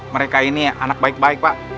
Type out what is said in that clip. mereka ini anak baik baik pak